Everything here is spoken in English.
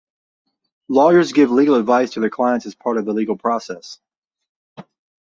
Lawyers give legal advice to their clients as part of the legal process.